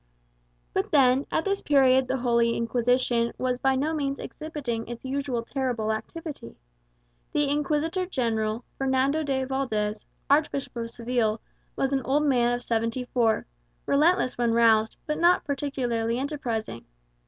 But then, at this period the Holy Inquisition was by no means exhibiting its usual terrible activity. The Inquisitor General, Fernando de Valdez, Archbishop of Seville, was an old man of seventy four, relentless when roused, but not particularly enterprising.